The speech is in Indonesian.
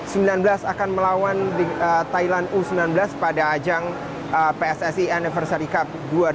timnas akan melawan thailand u sembilan belas pada ajang pssi anniversary cup dua ribu delapan belas